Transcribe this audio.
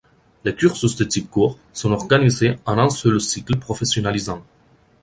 Les cursus de type court sont organisés en un seul cycle professionnalisant.